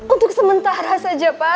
untuk sementara saja pak